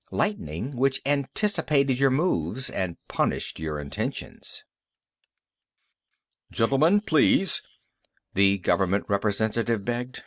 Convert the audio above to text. Lightning which anticipated your moves and punished your intentions. "Gentlemen, please," the government representative begged.